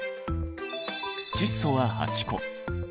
窒素は８個。